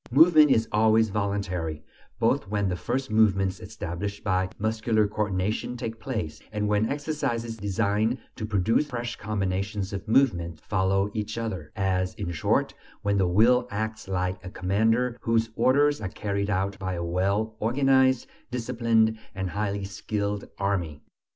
Movement is always voluntary, both when the first movements established by "muscular coordination" take place, and when exercises designed to produce fresh combinations of movements (skill) follow each other as, in short, when the will acts like a commander whose orders are carried out by a well organized, disciplined, and highly skilled army.